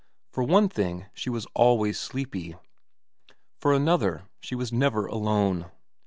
For one thing she was always sleepy. For another she was never alone.